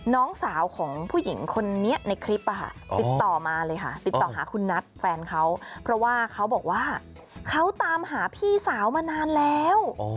น้องสาวของผู้หญิงคนนี้ในคลิปติดต่อมาเลยค่ะติดต่อหาคุณนัทแฟนเขาเพราะว่าเขาบอกว่าเขาตามหาพี่สาวมานานแล้ว